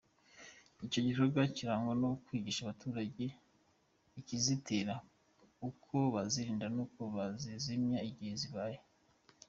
Icyo gikorwa kirangwa no kwigisha abaturage ikizitera, uko bazirinda, n’uko bazizimya igihe zibaye.